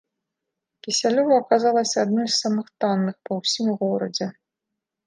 Кісялёва аказалася адной з самых танных па ўсім горадзе.